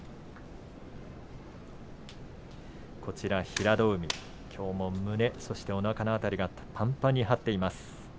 平戸海、きょうも胸おなかの辺りがぱんぱんに張っています。